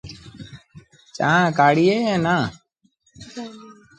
چآنه ڪآڙيٚ اهي جآن نا۔